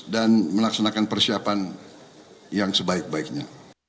dan melaksanakan persiapan yang sebaik baiknya